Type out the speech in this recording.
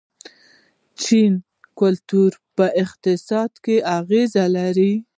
چیني کلتور په اقتصاد اغیز لري.